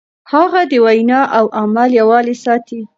هغه د وينا او عمل يووالی ساته.